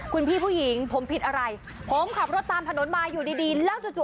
คุณพี่ผู้หญิงผมผิดอะไรผมขับรถตามถนนมาอยู่ดีดีแล้วจู่